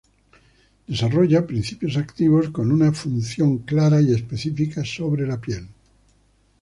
Desarrolla principios activos con una función clara y específica sobre la piel.